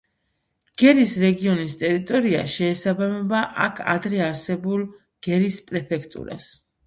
გერის რეგიონის ტერიტორია შეესაბამება აქ ადრე არსებულ გერის პრეფექტურას.